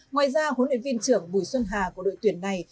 ngoài ra huấn luyện viên trưởng bùi xuân hà của đội tuyển này